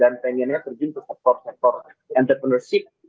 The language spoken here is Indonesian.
dan pengennya terjun ke sektor sektor entrepreneurship